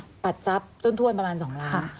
อ่ะปัจจับท่วนประมาณ๒ล้าน